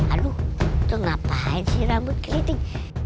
aduh tuh ngapain sih rambut keliting